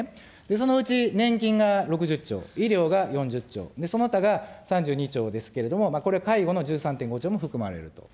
そのうち年金が６０兆、医療が４０兆、その他が３２兆ですけれども、これ、介護の１３．５兆も含まれると。